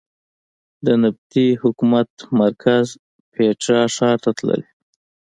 د نبطي حکومت مرکز پېټرا ښار ته تللې.